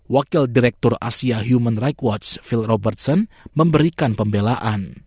wakil direktur asia human right watch phill robertson memberikan pembelaan